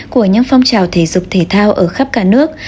của những phong trào thể dục thể thao ở khắp cả nước